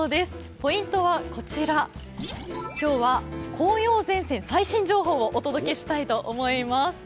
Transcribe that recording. ポイントはこちら、今日は紅葉前線最新情報をお届けしたいと思います。